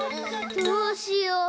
どうしよう。